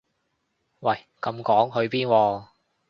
喂咁趕去邊喎